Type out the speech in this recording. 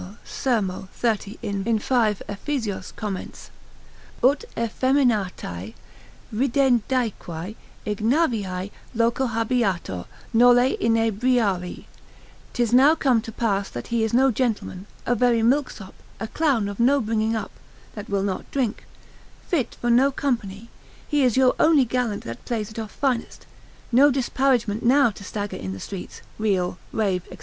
serm. 30. in v. Ephes. comments) Ut effeminatae ridendaeque ignaviae loco habeatur, nolle inebriari; 'tis now come to that pass that he is no gentleman, a very milk sop, a clown, of no bringing up, that will not drink; fit for no company; he is your only gallant that plays it off finest, no disparagement now to stagger in the streets, reel, rave, &c.